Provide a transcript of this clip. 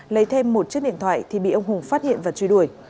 lấy thêm một chiếc điện thoại thì bị ông hùng phát hiện và truy đuổi